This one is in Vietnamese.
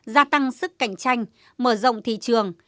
gia tăng sức cạnh tranh mở rộng thị trường